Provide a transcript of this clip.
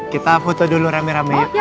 kita foto dulu rame rame